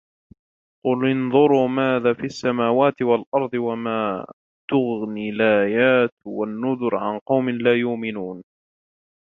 قُلِ انْظُرُوا مَاذَا فِي السَّمَاوَاتِ وَالْأَرْضِ وَمَا تُغْنِي الْآيَاتُ وَالنُّذُرُ عَنْ قَوْمٍ لَا يُؤْمِنُونَ